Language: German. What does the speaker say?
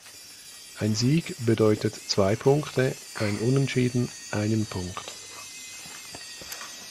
Ein Sieg bedeutete zwei Punkte, ein Unentschieden einen Punkt.